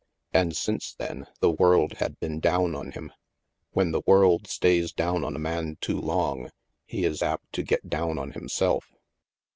And since then, the world had been down on him. When the world stays down on a man too long, he is apt to get down on himself.